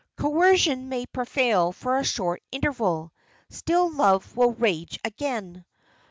Coercion may prevail for a short interval, still love will rage again.